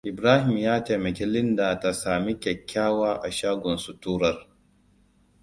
Ibrahim ya taimaki Linda ta sami kyakkyawa a shagon sutturar.